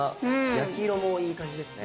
焼き色もいい感じですね。